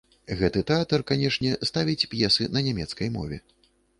Гэты тэатр, канешне, ставіць п'есы на нямецкай мове.